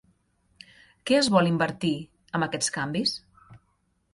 Què es vol invertir amb aquests canvis?